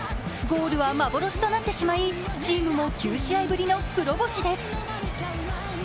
ゴールは幻となってしまいチームも９試合ぶりの黒星です。